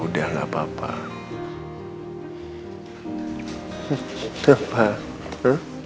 udah gak apa apa